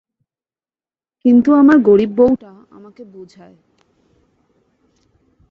কিন্তু আমার গরীব বউটা আমাকে বুঝায়।